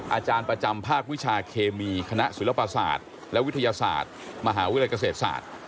อาจารย์ประจำภาควิชาเคมีคณะศิลปศาสตร์และวิทยาศาสตร์มหาวิทยาลัยเกษตรศาสตร์